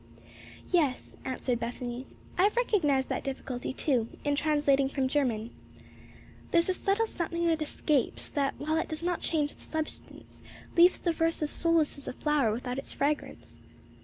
"Yes," answered Bethany, "I have recognized that difficulty, too, in translating from the German. There is a subtle something that escapes, that while it does not change the substance, leaves the verse as soulless as a flower without its fragrance."